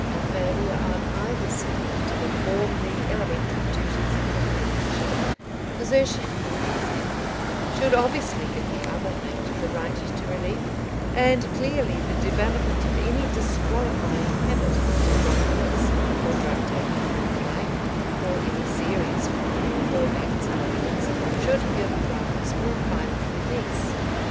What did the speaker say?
A failure on either side to perform the elementary duties of companionship, desertion, for example, should obviously give the other mate the right to relief, and clearly the development of any disqualifying habit, drunkenness, or drug taking, or the like, or any serious crime or acts of violence, should give grounds for a final release.